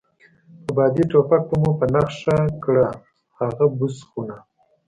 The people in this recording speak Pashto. په بادي ټوپک به مو په نښه کړه، هغه بوس خونه.